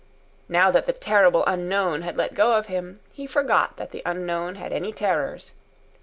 Now that the terrible unknown had let go of him, he forgot that the unknown had any terrors.